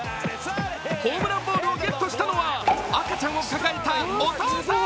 ホームランボールをゲットしたのは赤ちゃんを抱えたお父さん。